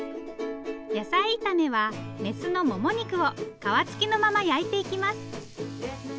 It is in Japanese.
野菜炒めは雌のもも肉を皮付きのまま焼いていきます。